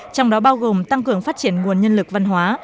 trong đó bao gồm tăng cường phát triển nguồn nhân lực văn hóa